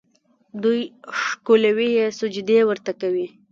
دوی ښکلوي یې، سجدې ورته کوي.